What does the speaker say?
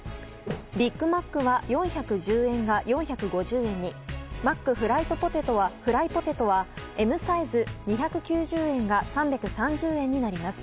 ビッグマックは４１０円が４５０円にマックフライポテトはＭサイズ２９０円が３３０円になります。